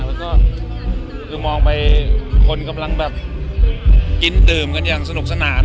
แล้วก็คือมองไปคนกำลังแบบกินดื่มกันอย่างสนุกสนาน